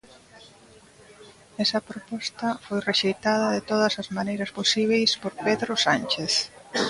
Esa proposta foi rexeitada de todas as maneiras posíbeis por Pedro Sánchez.